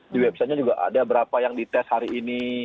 di websitenya juga ada berapa yang dites hari ini